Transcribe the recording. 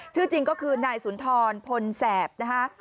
ชื่อจริงก็คือนายสุนทรพลแสบนะคะ